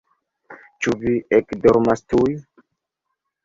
Ĉu vi ekdormas tuj?